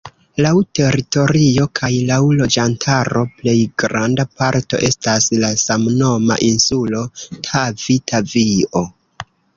Laŭ teritorio kaj laŭ loĝantaro plej granda parto estas la samnoma insulo Tavi-Tavio.